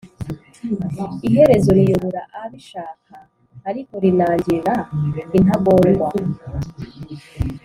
iherezo riyobora abishaka ariko rinangira intagondwa